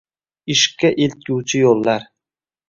ishqqa eltguvchi yoʼllar